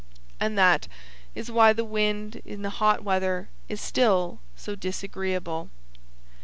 (And that is why the Wind in the hot weather is still so disagreeable.)